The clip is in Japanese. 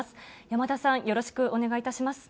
山田さん、よろしくお願いいたします。